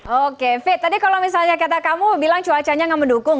oke fit tadi kalau misalnya kata kamu bilang cuacanya nggak mendukung